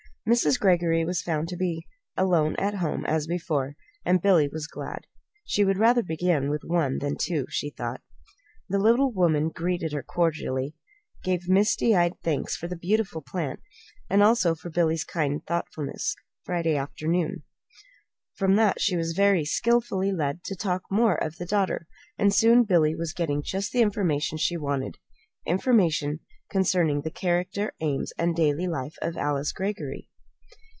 Mrs. Greggory was found to be alone at home as before, and Billy was glad. She would rather begin with one than two, she thought. The little woman greeted her cordially, gave misty eyed thanks for the beautiful plant, and also for Billy's kind thoughtfulness Friday afternoon. From that she was very skilfully led to talk more of the daughter; and soon Billy was getting just the information she wanted information concerning the character, aims, and daily life of Alice Greggory.